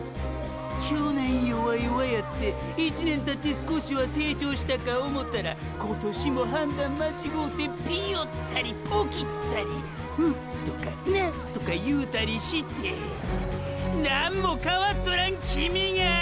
去年弱々やって一年たって少しは成長したか思うたら今年も判断間違うてピヨったりポキったり「う」とか「な」とか言うたりしてェなんも変わっとらんキミがァ！！